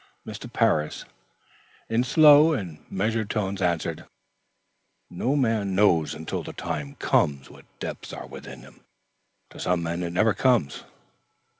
Mr. Parris, in slow and measured tones, answered: "No man knows until the time comes what depths are within him. To some men it never comes.